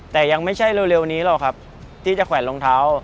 แต่ยังไม่ใช่เร็วนี้หรอกครับที่จะแขวนรองเท้า